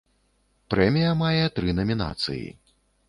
Прэмія мае тры намінацыі.